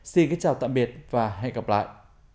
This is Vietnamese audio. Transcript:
xin kính chào tạm biệt và hẹn gặp lại